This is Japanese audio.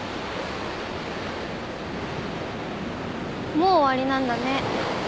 もう終わりなんだね。